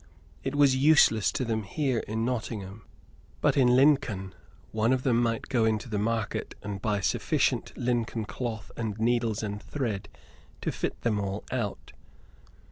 It was useless to them here in Nottingham; but in Lincoln one of them might go in to the market and buy sufficient Lincoln cloth and needles and thread to fit them all out.